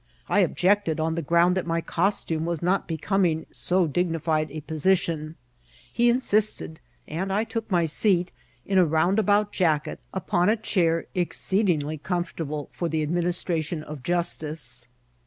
I objected, on the ground that my costume was not becoming so dignified a po sition ; he insisted, and I took my seat, in a rounda bout jacket, upon a chair exceedingly comfortable {or the administration of justice.